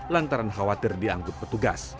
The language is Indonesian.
lantaran khawatir dianggut petugas